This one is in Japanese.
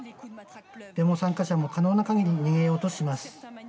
デモ参加者も可能なかぎり逃げようとします。